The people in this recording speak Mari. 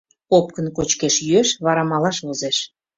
Опкын кочкеш-йӱэш, вара малаш возеш.